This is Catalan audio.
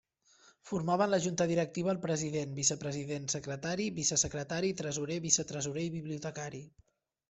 Formaven la Junta directiva el president, vicepresident, secretari, vicesecretari, tresorer, vicetresorer i bibliotecari.